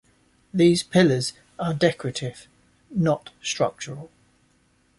These pillars are decorative, not structural.